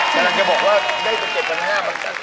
กำลังจะบอกว่าได้ตัว๗๕๐๐บาท